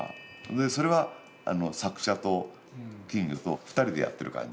でそれは作者と金魚と２人でやっている感じ。